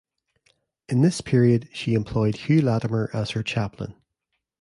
In this period she employed Hugh Latimer as her chaplain.